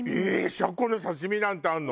シャコの刺身なんてあるの？